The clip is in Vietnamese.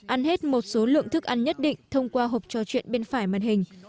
ăn hết một số lượng thức ăn nhất định thông qua hộp trò chuyện bên phải màn hình